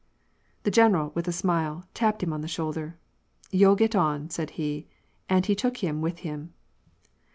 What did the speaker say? The general, with a smile, tapped him on the shoulder. "Youll get on," said he, and he took him with him.